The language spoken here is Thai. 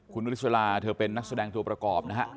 คุณวริสลาเธอเป็นนักแสดงตัวประกอบนะฮะ